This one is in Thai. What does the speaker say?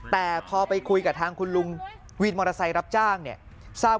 แต่พอไปคุยกับทางคุณลุงวินมอเตอร์ไซค์รับจ้างเนี่ยทราบ